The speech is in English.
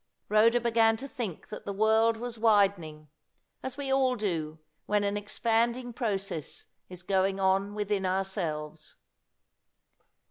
Rhoda began to think that the world was widening, as we all do when an expanding process is going on within ourselves.